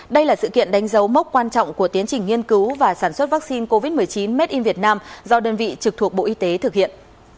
đây là sự kiện đánh dấu mốc quan trọng của tiến trình nghiên cứu và sản xuất vaccine covid một mươi chín made in vietnam do đơn vị trực thuộc bộ y tế thực hiện